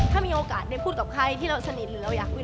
ถ้ามีโอกาสได้พูดกับใครที่เราสนิทหรือเราอยากคุย